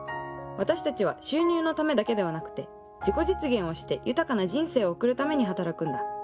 私たちは収入のためだけではなくて自己実現をして豊かな人生を送るために働くんだ。